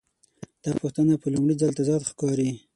دا پوښتنه په لومړي ځل تضاد ښکاري.